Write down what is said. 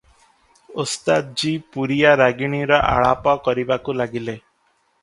ଓସ୍ତାଦ୍ ଜୀ ପୁରିଆ ରାଗିଣୀର ଆଳାପ କରିବାକୁ ଲାଗିଲେ ।